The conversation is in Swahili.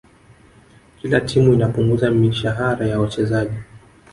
kila timu inapunguza mishahara ya wachezaji